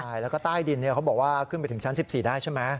ใช่แล้วก็ใต้ดินเขาบอกว่าขึ้นไปถึงชั้น๑๔ได้ใช่ไหม